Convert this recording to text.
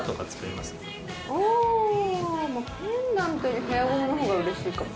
あぁペンダントよりヘアゴムのほうがうれしいかも。